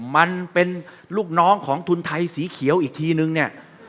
มันเป็นลูกน้องของทุนไทยสีเขียวอีกทีนึงเนี่ย